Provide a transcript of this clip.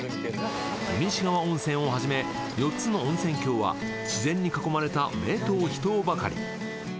湯西川温泉をはじめ、４つの温泉郷は自然に囲まれた名湯・秘湯ばかり。